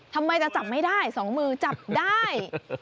ทำไมจะจับไม่ได้๒มือจับได้